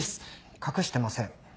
隠してません。